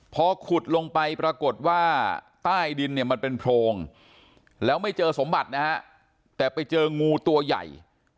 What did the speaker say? พอขุดลงไปปรากฏว่าใต้ดินเนี่ยมันเป็นโพรงแล้วไม่เจอสมบัตินะฮะแต่ไปเจองูตัวใหญ่